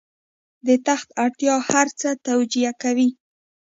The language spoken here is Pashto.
د تخت اړتیا هر څه توجیه کوي.